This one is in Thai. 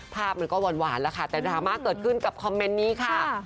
ภาพมันก็หวานแล้วค่ะแต่ดราม่าเกิดขึ้นกับคอมเมนต์นี้ค่ะ